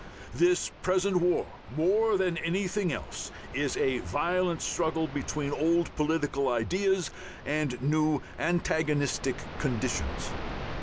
This present war, more than anything else, is a violent struggle between old political ideas and new antagonistic conditions.